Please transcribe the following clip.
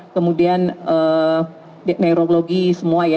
neurologi semua ya